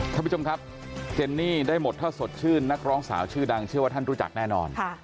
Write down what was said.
ท่านผู้ชมครับเจนนี่ได้หมดถ้าสดชื่นนักร้องสาวชื่อดังเชื่อว่าท่านรู้จักแน่นอน